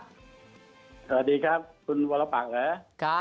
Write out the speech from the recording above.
สวัสดีครับคุณบอรปักค์เลยครับ